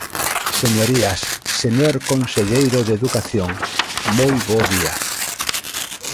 Señorías, señor conselleiro de Educación, moi bo día.